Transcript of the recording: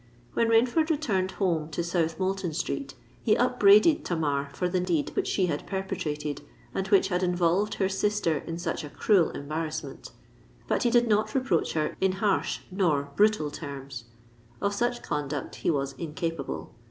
When Rainford returned home to South Moulton Street, he upbraided Tamar for the deed which she had perpetrated, and which had involved her sister in such a cruel embarrassment. But he did not reproach her in harsh nor brutal terms: of such conduct he was incapable.